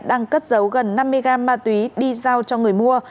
đang cất giấu gần năm mươi gram ma túy đi giao cho người mua